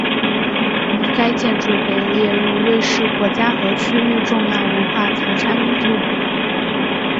该建筑被列入瑞士国家和区域重要文化财产名录。